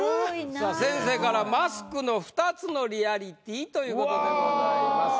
さあ先生から「マスクの２つのリアリティー」ということでございます。